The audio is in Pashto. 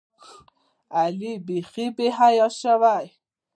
علي بیخي بېحیا شوی.